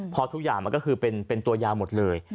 เพราะทุกอย่างมันก็คือเป็นตัวยาหมดเลย